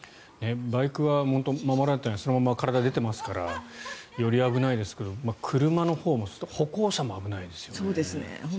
バイクは守られてないそのまま体が出てますからより危ないですけど車のほうも歩行者も危ないですよね。